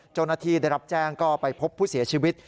เจ้าหน้าที่ได้รับแจ้งก็ไปพบผู้เสียชีวิต